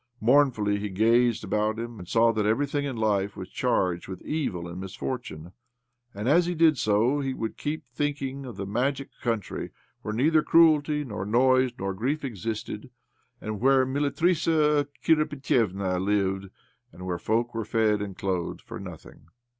Mournfully he gazed about him, and saw that everything in life was charged with evil and misfortune. And as he did so he would keep thinking of the magic country where neither cruelty nor noise nor grief existed, and where Militrissa Kirbitievna lived, and where folk were fed and clothed for nothing.